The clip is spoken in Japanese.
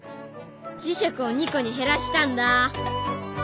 磁石を２個に減らしたんだ。